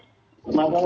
selamat sore pak huda